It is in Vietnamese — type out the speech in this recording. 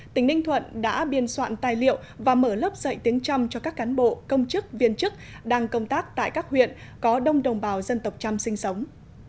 tỉnh ninh thuận đã biên soạn tài liệu và mở lớp dạy tiếng trăm cho các cán bộ công chức viên chức đang công tác tại các huyện có đông đồng bào dân tộc trăm sinh sống